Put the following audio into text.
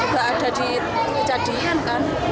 nggak ada di kejadian kan